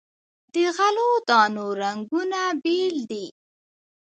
د غلو دانو رنګونه بیل دي.